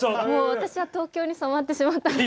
もう私は東京に染まってしまった。